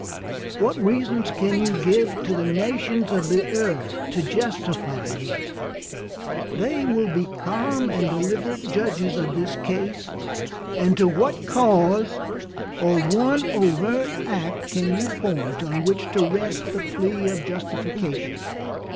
What reasons can you give to the nations of the earth to justify it? They will be calm and deliberate judges of this case, and to what cause, or one overt act can you point on which to rest the plea of justification?